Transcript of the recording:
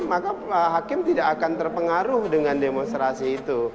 maka hakim tidak akan terpengaruh dengan demonstrasi itu